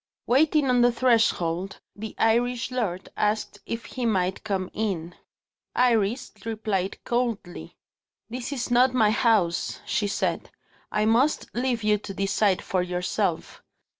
Waiting on the threshold, the Irish lord asked if he might come in. Iris replied coldly. "This is not my house," she said; "I must leave you to decide for yourself."